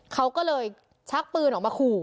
เขาก็เลยชักปืนออกมาขู่